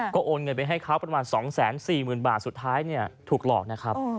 ก็โอนเงินไปให้เขาประมาณ๒๔๐๐๐บาทสุดท้ายถูกหลอกนะครับ